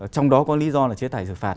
trong đó có lý do là chế tải sự phạt